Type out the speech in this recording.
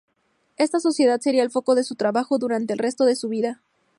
Esta sociedad sería el foco de su trabajo durante el resto de su vida.